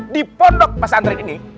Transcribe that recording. di pondok pesantri ini